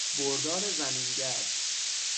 بردار زمینگرد